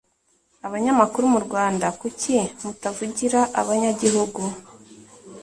Abanyamukuru mu Rwanda kuki mutavugira abanyagihugu